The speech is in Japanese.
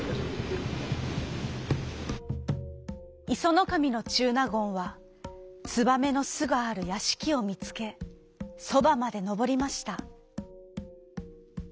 いそのかみのちゅうなごんはつばめのすがあるやしきをみつけそばまでのぼりました。